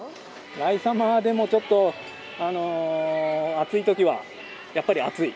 ライサマーでもちょっと、暑いときはやっぱり暑い。